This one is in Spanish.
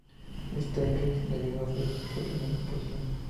Stieglitz le ayudó a hacer su primera exposición.